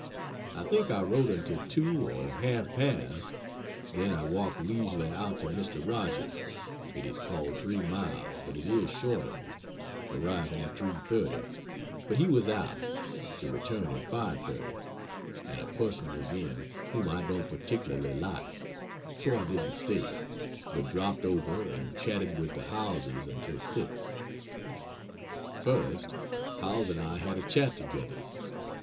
I think I wrote until 2 or half past. Then I walked leisurely out to Mr. Rogers's (it is called 3 miles but it is short of it) arriving at 3.30, but he was out to return at 5.30 (and a person was in, whom I don't particularly like) so I didn't stay, but dropped over and chatted with the Howellses until 6. First, Howells and I had a chat together.